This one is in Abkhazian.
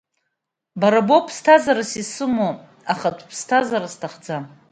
Бара боуп ԥсҭазаарас исымоу, ахатә ԥсҭазаара сҭахӡам.